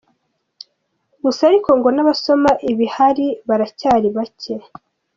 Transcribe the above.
Gusa ariko ngo n’abasoma ibihari baracyari bake.